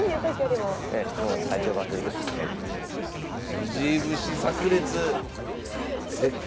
藤井節さく裂！